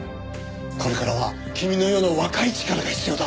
これからは君のような若い力が必要だ。